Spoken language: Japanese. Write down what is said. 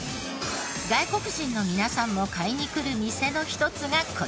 外国人の皆さんも買いに来る店の一つがこちら。